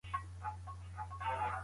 د ښار خلګ تر کلیوالو ډیر بوخت دي.